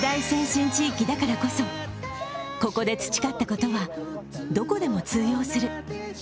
先進地域だからこそここで培ったことはどこでも通用する。